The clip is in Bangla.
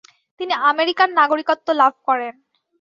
তিনি আমেরিকার নাগরিকত্ব লাভ করেন।